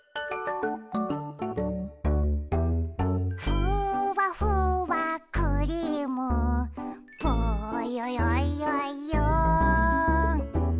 「ふわふわクリームぽよよよよん」